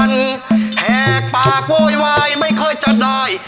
แจกปากโวยวายไม่เคยจะได้